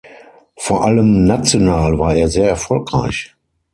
Vor allem national war er sehr erfolgreich.